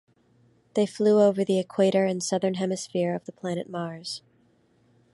They flew over the equator and southern hemisphere of the planet Mars.